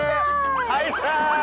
はいさい！